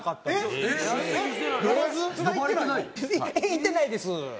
行ってないです。